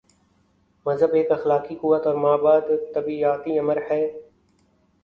مذہب ایک اخلاقی قوت اور مابعد الطبیعیاتی امر ہے۔